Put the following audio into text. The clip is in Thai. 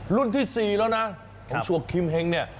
รุ่นที่๔แล้วนะของชัวร์ครีมเฮ้งเนี่ย